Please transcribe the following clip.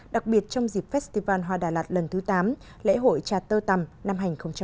đặc biệt trong dịp festival hoa đà lạt lần thứ tám lễ hội cha tơ tầm năm hai nghìn một mươi chín